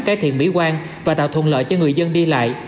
cải thiện mỹ quan và tạo thuận lợi cho người dân đi lại